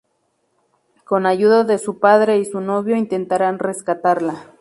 Con ayuda de su padre y su novio intentarán rescatarla.